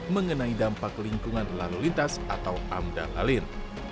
mengenai dampak lingkungan lalu lintas atau amdalalin